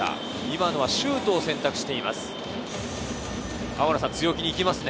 今のはシュートを選択しています。